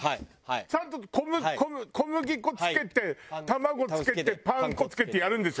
ちゃんと小麦粉つけて卵つけてパン粉つけてやるんでしょ？